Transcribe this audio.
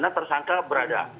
karena tersangka berada